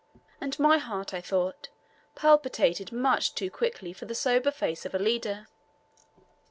and my heart, I thought, palpitated much too quickly for the sober face of a leader.